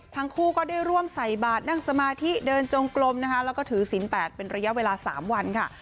ทั้งคู่ก็ได้ร่วมใส่บาทนั่งสมาธิเดินจงกลมนะคะแล้วก็ถือศิลปเป็นระยะเวลา๓วันค่ะ